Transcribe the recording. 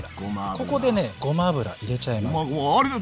ここでねごま油入れちゃいます。